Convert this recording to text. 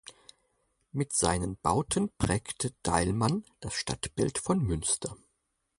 Mit seinen Bauten prägte Deilmann das Stadtbild von Münster.